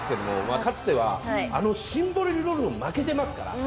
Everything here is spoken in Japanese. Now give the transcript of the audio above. かつてはあのシンボリルドルフに負けてますから。